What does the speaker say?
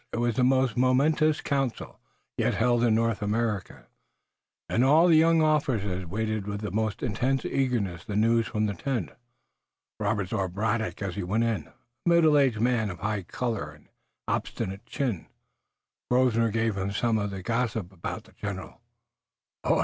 It was the most momentous council yet held in North America, and all the young officers waited with the most intense eagerness the news from the tent. Robert saw Braddock as he went in, a middle aged man of high color and an obstinate chin. Grosvenor gave him some of the gossip about the general.